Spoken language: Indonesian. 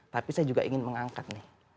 tapi saya juga ingin mengangkat nih